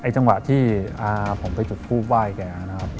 จังหวัดที่ผมไปจดภูมิไว้แกนะครับ